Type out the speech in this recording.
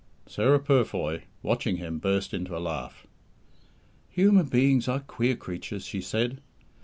Sarah Purfoy, watching him, burst into a laugh. "Human beings are queer creatures," she said.